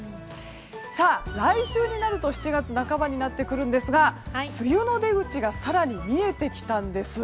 さあ、来週になると７月半ばになってくるんですが梅雨の出口が更に見えてきたんです。